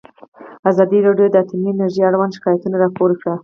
ازادي راډیو د اټومي انرژي اړوند شکایتونه راپور کړي.